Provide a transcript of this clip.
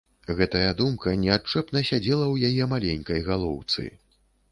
Гэтая думка неадчэпна сядзела ў яе маленькай галоўцы.